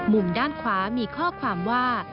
มุมด้านขวามีข้อความว่า